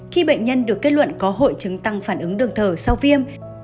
khi bệnh nhân được kết luận có hội chứng tăng phản ứng đường thở sau viêm